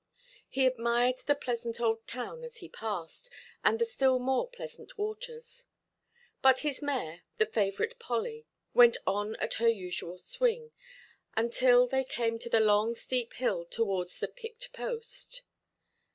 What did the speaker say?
He admired the pleasant old town as he passed, and the still more pleasant waters; but his mare, the favourite Polly, went on at her usual swing, until they came to the long steep hill towards the Picked Post.